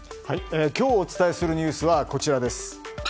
今日お伝えするニュースがこちらです。